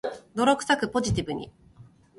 泥臭く、ポジティブに